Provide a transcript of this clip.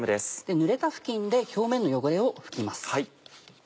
ぬれた布巾で表面の汚れを拭きます。